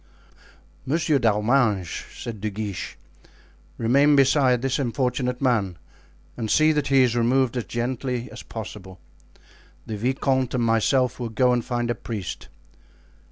"Monsieur d'Arminges," said De Guiche, "remain beside this unfortunate man and see that he is removed as gently as possible. The vicomte and myself will go and find a priest."